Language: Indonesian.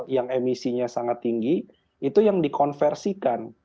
yang emisinya sangat tinggi itu yang dikonversikan